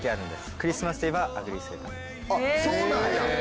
あっそうなんや！